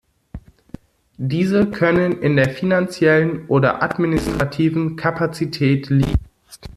Diese können in der finanziellen oder administrativen Kapazität liegen.